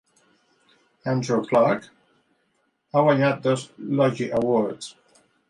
Andrew Clarke ha guanyat dos Logie Awards.